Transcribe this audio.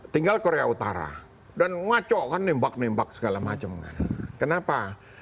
tinggal korea utara dan ngaco kan nembak nembak segala macam kan kenapa